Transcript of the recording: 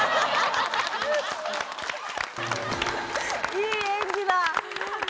いい演技！